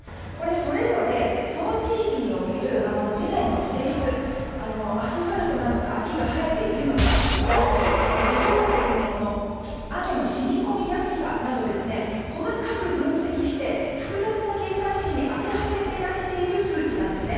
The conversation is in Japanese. それぞれその地域における地面の性質アスファルトなのか木が生えているのかだったり土壌の雨の染み込みやすさなど細かく分析して複雑な計算式に当てはめて出している数値なんですね。